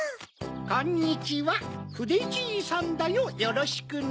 こんにちはふでじいさんだよよろしくね。